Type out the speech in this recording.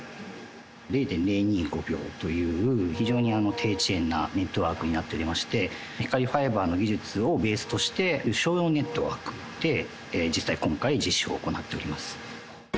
０．０２５秒という非常に低遅延なネットワークになっておりまして、光ファイバーの技術をベースとして、商用ネットワークで実際今回、実証を行っております。